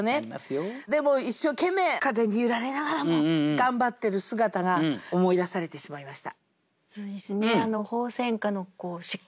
でも一生懸命風に揺られながらも頑張ってる姿が思い出されてしまいました。